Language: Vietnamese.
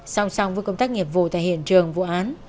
song song với công tác nghiệp vụ tại hiện trường vụ án